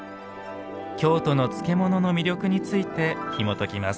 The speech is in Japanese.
京都の漬物の魅力についてひもときます。